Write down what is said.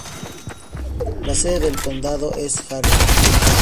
La sede del condado es Harrisburg.